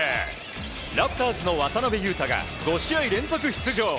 ラプターズの渡邊雄太が５試合連続出場。